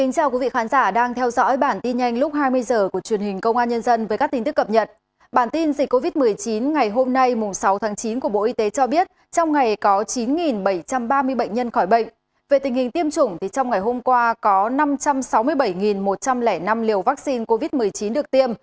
cảm ơn các bạn đã theo dõi